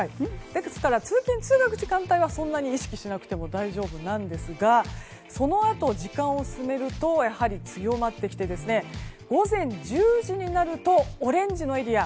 ですから、通勤・通学の時間帯はそんなに意識しなくても大丈夫なんですがそのあと、時間を進めるとやはり強まってきて午前１０時になるとオレンジのエリア